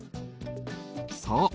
そう。